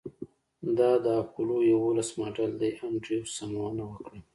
دا د اپولو یوولس ماډل دی انډریو سمونه وکړه